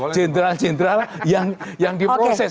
jenderal jenderal yang diproses